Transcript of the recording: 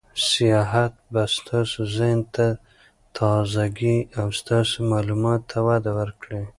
سیاحت به ستاسو ذهن ته تازه ګي او ستاسو معلوماتو ته وده ورکړي.